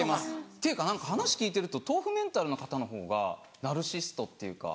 っていうか何か話聞いてると豆腐メンタルの方のほうがナルシシストっていうか。